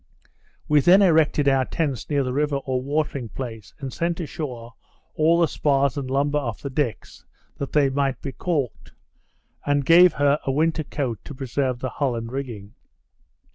We then erected our tents near the river or watering place, and sent ashore all the spars and lumber off the decks, that they might be caulked; and gave her a winter coat to preserve the hull and rigging.